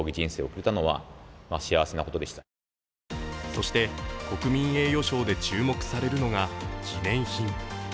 そして国民栄誉賞で注目されるのが記念品。